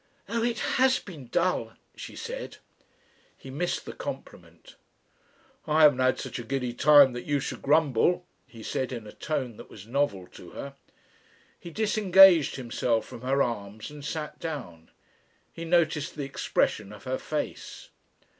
"Oh! it has been dull," she said. He missed the compliment. "I haven't had such a giddy time that you should grumble," he said, in a tone that was novel to her. He disengaged himself from her arms and sat down. He noticed the expression of her face.